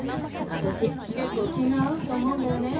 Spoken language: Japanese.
あたし結構気が合うと思うんだよね